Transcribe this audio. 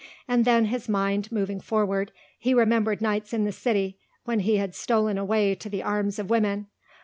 And then his mind moving forward, he remembered nights in the city when he had stolen away to the arms of women.